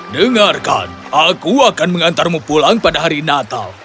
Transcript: dengarkan aku akan mengantarmu pulang pada hari natal